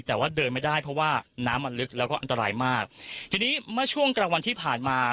แต่ว่าเดินไม่ได้เพราะว่าน้ำมันลึกแล้วก็อันตรายมากทีนี้เมื่อช่วงกลางวันที่ผ่านมา